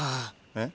えっ？